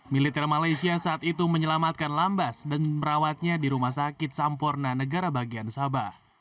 militer malaysia saat itu menyelamatkan lambas dan merawatnya di rumah sakit sampurna negara bagian sabah